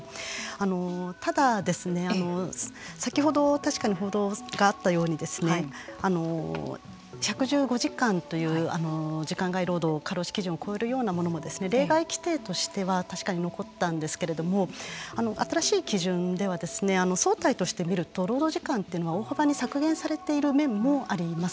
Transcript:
ただ先ほど確かに報道があったように１１５時間という時間外労働過労死基準を超えるようなものも例外規定としては確かに残ったんですけれども新しい基準では総体として見ると労働時間というのは大幅に削減されている面もあります。